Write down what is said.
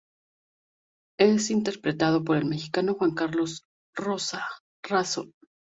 Es interpretado por el Mexicano Juan Carlos Razo.